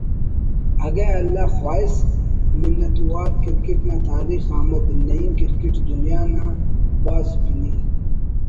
اگہ اللہ خواہس منت وار کرکٹ نا تاریخ احمد نعیم کرکٹ دنیا نا بھاز پنی